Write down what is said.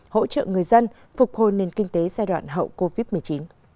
hỗ trợ người dân phục hồi nền kinh tế giai đoạn hậu covid một mươi chín